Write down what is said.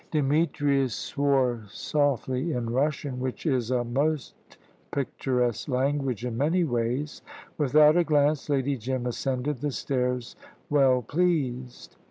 Demetrius swore softly in Russian, which is a most picturesque language in many ways. Without a glance, Lady Jim ascended the stairs, well pleased.